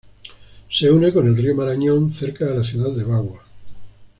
Se une con el río Marañón cerca de la ciudad de Bagua.